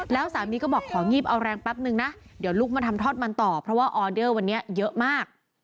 แล้วสามีก็บอกของีบเอาแรงแป๊บนึงนะเดี๋ยวลุกมาทำทอดมันต่อเพราะว่าออเดอร์วันนี้เยอะมาก